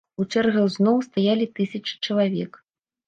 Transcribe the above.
У чэргах зноў стаялі тысячы чалавек.